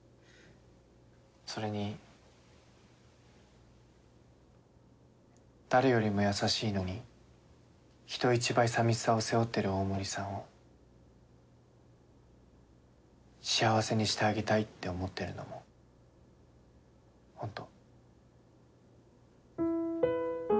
それに誰よりも優しいのに人一倍さみしさを背負ってる大森さんを幸せにしてあげたいって思ってるのもホント。